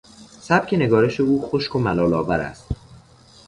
سبک نگارش او خشک و ملالآور است.